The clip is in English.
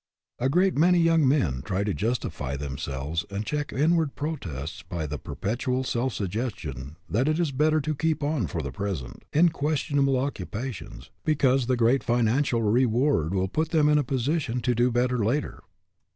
A great many young men try to justify HAS YOUR VOCATION APPROVAL 125 themselves and check inward protests by the perpetual self suggestion that it is better to keep on, for the present, in questionable occu pations, because the great financial reward will put them in position to do better later.